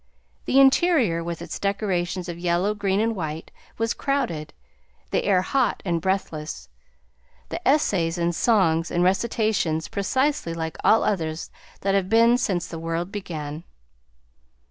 The interior, with its decorations of yellow, green, and white, was crowded, the air hot and breathless, the essays and songs and recitations precisely like all others that have been since the world began.